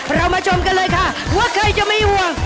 เรามาชมกันเลยค่ะว่าใครจะไม่ห่วง